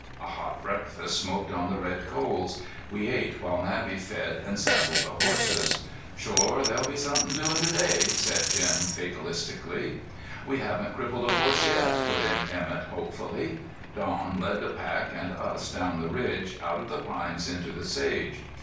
A hot breakfast smoked on the red coals. We ate while Navvy fed and saddled the horses. "Shore, they'll be somethin' doin' to day," said Jim, fatalistically. "We haven't crippled a horse yet," put in Emett hopefully. Don led the pack and us down the ridge, out of the pines into the sage.